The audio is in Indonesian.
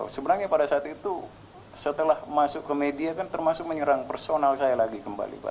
sebenarnya pada saat itu setelah masuk ke media kan termasuk menyerang personal saya lagi kembali pak